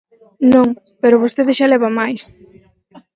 Non, pero vostede xa leva máis.